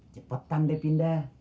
cepetan deh pindah